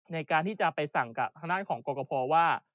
ในการที่จะไปสั่งกับทางด้านของกรกภว่า